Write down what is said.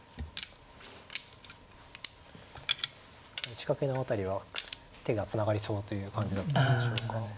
仕掛けの辺りは手がつながりそうという感じだったんでしょうか。